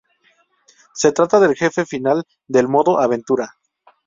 Se trata del jefe final del modo aventura.